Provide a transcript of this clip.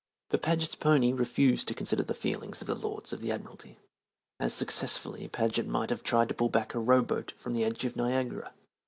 But Paget's pony refused to consider the feelings of the Lords of the Admiralty. As successfully Paget might have tried to pull back a row boat from the edge of Niagara.